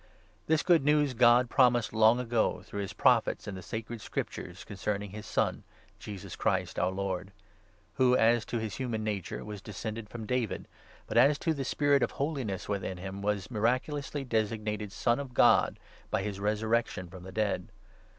This Good News God promised long ago through his Prophets in the sacred Scriptures, concerning his Son, Jesus Christ, our Lord ; who, as to his human nature, was descended from David, but, as to the spirit of holiness within him, was miraculously designated Son of God by his resurrection from the dead.